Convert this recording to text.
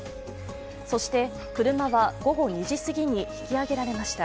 そして、車は午後２時すぎに引き上げられました。